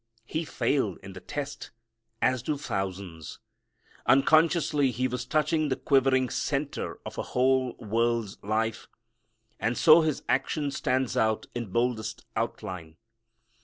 He failed in the test, as do thousands. Unconsciously he was touching the quivering center of a whole world's life, and so his action stands out in boldest outline.